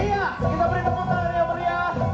jadi mamang ke sana ya